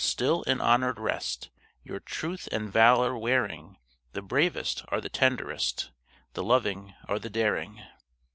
still in honored rest Your truth and valor wearing: The bravest are the tenderest. The loving are the daring.